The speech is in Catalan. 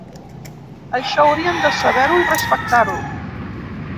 Això haurien de saber-ho i respectar-ho.